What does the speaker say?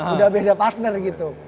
udah beda partner gitu